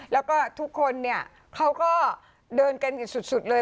แล้วก็ทุกคนเนี่ยเขาก็เดินกันอยู่สุดเลย